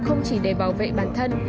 không chỉ để bảo vệ bản thân